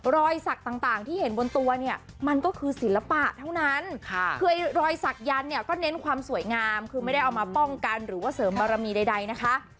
รอยสักต่างที่เห็นบนตัวเนี่ยมันก็คือศิลปะเท่านั้นคือรอยศักยันต์เนี่ยก็เน้นความสวยงามคือไม่ได้เอามาป้องกันหรือว่าเสริมบารมีใดนะคะ